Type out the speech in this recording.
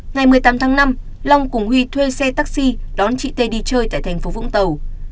ngày một mươi tám tháng năm long cùng huy thuê xe taxi đón chị tê đi chơi tại thành phố vũng tàu